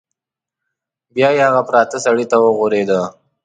بیا یې هغه پراته سړي ته وغوریده.